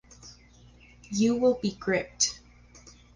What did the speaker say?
You will be gripped.